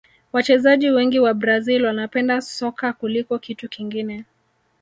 wachezaji wengi wa brazil wanapenda soka kuliko kitu kingine